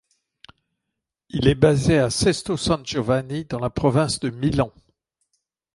Il est basé à Sesto San Giovanni dans la province de Milan.